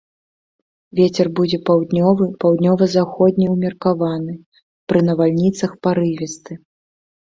Вецер будзе паўднёвы, паўднёва-заходні ўмеркаваны, пры навальніцах парывісты.